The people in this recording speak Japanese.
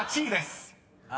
あ！